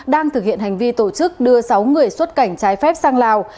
đang thực hiện hành vi tổ chức đưa sáu người xuất cảnh trái phép sang lào